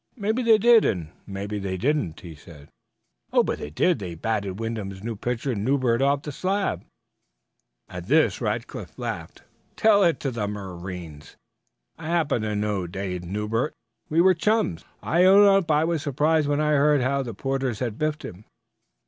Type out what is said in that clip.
"Maybe they did, and maybe they didn't," he said. "Oh, but they did! They batted Wyndham's new pitcher, Newbert, off the slab." At this Rackliff laughed. "Tell it to the marines. I happen to know Dade Newbert; we were chums. I own up I was surprised when I heard how the Porters had biffed him.